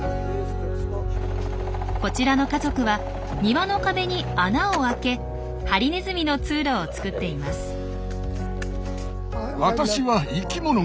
こちらの家族は庭の壁に穴を開けハリネズミの通路を作っています。